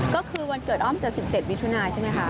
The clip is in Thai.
ก็คือวันเกิดอ้อมจะ๑๗มิถุนาใช่ไหมคะ